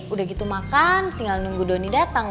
udah gitu makan tinggal nunggu donny dateng